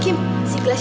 eh affecting udah sama